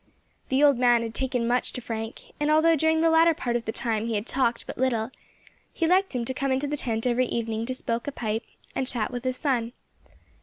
The old man had taken much to Frank, and although during the latter part of the time he had talked but little, he liked him to come into the tent every evening to smoke a pipe and chat with his son.